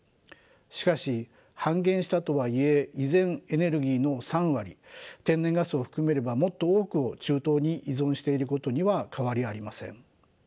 しかし半減したとはいえ依然エネルギーの３割天然ガスを含めればもっと多くを中東に依存していることには変わりありません。